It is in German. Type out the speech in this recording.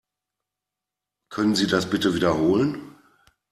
Können Sie das bitte wiederholen?